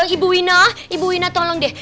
ibu wina ibu wina tolong deh